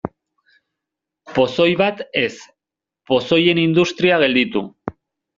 Pozoi bat ez, pozoien industria gelditu.